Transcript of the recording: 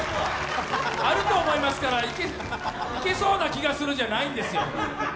「あると思います」から、「いけそうな気がする」じゃないんですよ！